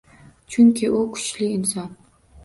Chunki u — kuchli inson.